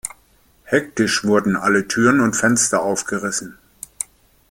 Hektisch wurden alle Türen und Fenster aufgerissen.